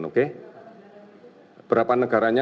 oke berapa negaranya